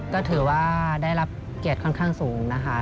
ก็ถือว่าได้รับเกียรติค่อนข้างสูงนะคะ